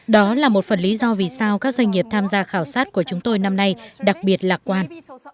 đó là một phần lý do vì sao các doanh nghiệp tham gia khảo sát của chúng tôi năm nay đặc biệt lạc quan